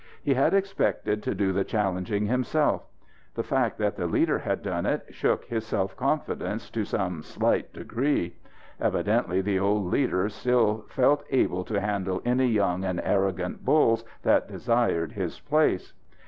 He had expected to do the challenging himself. The fact that the leader had done it shook his self confidence to some slight degree. Evidently the old leader still felt able to handle any young and arrogant bulls that desired his place.